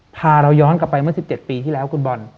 พาเราย้อนกลับไปเมื่อ๑๗ปีที่แล้วคุณบอล